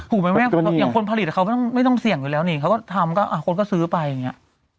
ถูกไหมแม่อย่างคนผลิตเขาไม่ต้องเสี่ยงอยู่แล้วนี่เขาก็ทำก็คนก็ซื้อไปอย่างนี้